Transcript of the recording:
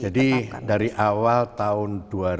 dari awal tahun dua ribu dua